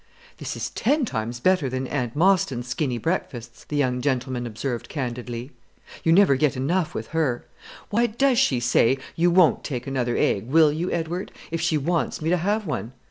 "This is ten times better than Aunt Mostyn's skinny breakfasts," the young gentleman observed candidly. "You never get enough with her. Why does she say, 'You won't take another egg, will you, Edward?' if she wants me to have one?